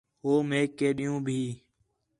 ہو میک کے ݙین٘ہوں بھی